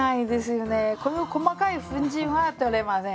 この細かい粉じんは取れませんね。